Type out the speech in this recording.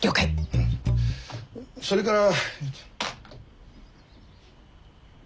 うんそれから。